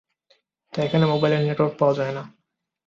তাই এখানে মোবাইলের নেটওয়ার্ক পাওয়া যাইনা।